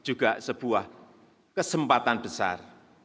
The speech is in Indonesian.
juga sebuah kesempatan besar